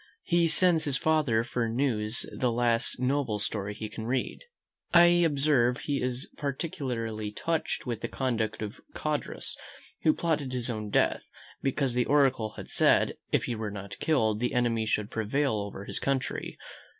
He sends his father for news the last noble story he had read. I observe he is particularly touched with the conduct of Codrus, who plotted his own death, because the oracle had said, if he were not killed, the enemy should prevail over his country.